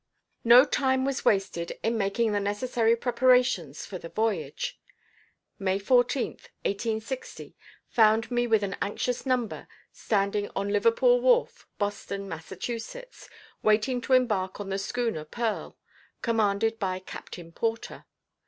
No time was wasted in making the necessary preparations for the voyage. May 14th, 1860, found me with an anxious number standing on Liverpool wharf, Boston, Mass., waiting to embark on the schooner Pearl, commanded by captain Porter.